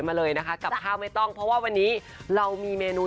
มาเลยนะคะกับข้าวไม่ต้องเพราะว่าวันนี้เรามีเมนู